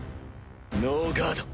ノーガード！